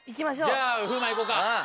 じゃあ風磨いこうか。